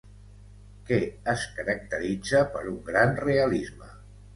Què es caracteritza per un gran realisme?